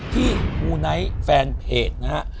มูไนท์แฟนเพจนะฮะ